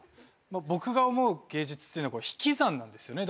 僕が思う芸術っていうのは引き算なんですよね。